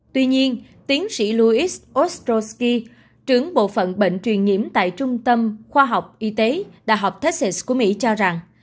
tuy nhiên tiến sĩ louis ostrowski trưởng bộ phận bệnh truyền nhiễm tại trung tâm khoa học y tế đh texas của mỹ cho rằng